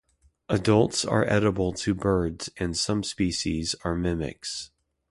Adults are edible to birds and some species are mimics.